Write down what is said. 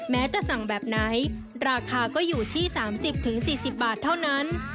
แม้จะสั่งแบบไหนราคาก็อยู่ที่สามสิบถึงสี่สิบบาทเท่านั้น